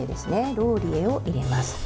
ローリエを入れます。